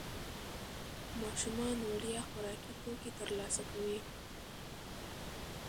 ماشومان وړیا خوراکي توکي ترلاسه کوي.